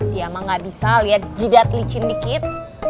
dia mah gak bisa liat jidat licin dikit